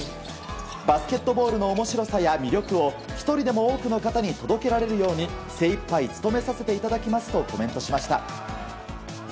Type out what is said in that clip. バスケットボールの面白さや魅力を１人でも多くの方に届けられるように、精いっぱい務めさせていただきますとコメントしました。